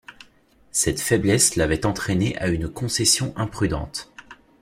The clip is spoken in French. Cette faiblesse l’avait entraîné à une concession imprudente.